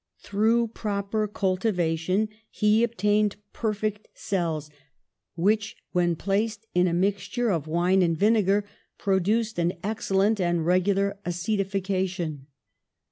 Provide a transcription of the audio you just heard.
Through proper cultivation he obtained perfect FOR THE NATIONAL WEALTH 77 cells which, when placed in a mixture of wine and vinegar, produced an excellent and regular acetification.